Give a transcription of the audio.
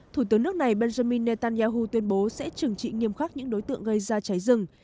thủ tướng nước này benjamin netanyahu tuyên bố sẽ trừng trị nghiêm khắc những đối tượng gây ra cháy rừng